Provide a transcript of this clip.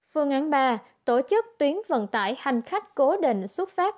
phương án ba tổ chức tuyến vận tải hành khách cố định xuất phát